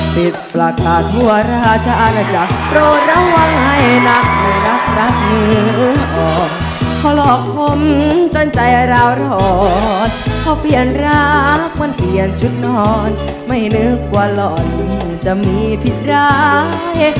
ปิดประธาทั่วราชอาณาจักรโปรดระวังให้หนักไม่รักรักมือออกเขาหลอกผมจนใจเรารอดเขาเปลี่ยนรักเหมือนเปลี่ยนชุดนอนไม่นึกว่าหล่อนจะมีผิดร้าย